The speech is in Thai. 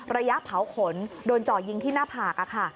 ระยะเผาขนโดนเจาะยิงที่หน้าผาก